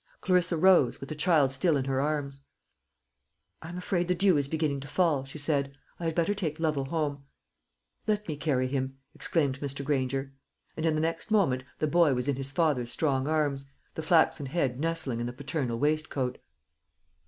Clarissa rose, with the child still in her arms. "I am afraid the dew is beginning to fall," she said; "I had better take Lovel home." "Let me carry him," exclaimed Mr. Granger; and in the next moment the boy was in his father's strong arms, the flaxen head nestling in the paternal waistcoat.